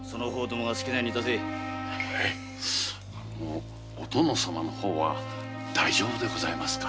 はいあのお殿様の方は大丈夫でございますか？